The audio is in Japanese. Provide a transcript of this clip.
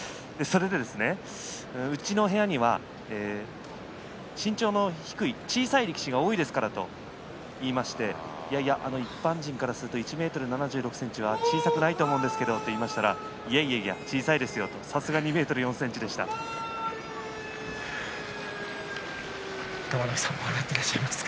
うちの部屋には身長の低い小さな力士が多いですからと言いまして一般人からすると１ｍ７６ｃｍは小さくないと思うんですけどと言いましたらいやいや小さいですよとさすがに２ｍ４ｃｍのコメントでした。